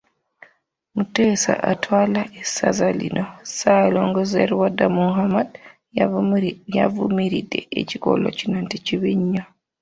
Muteesa atwala essaza lino, Ssaalongo Sserwadda Muhammed, yavumiridde ekikolwa kino nti kibi nyo.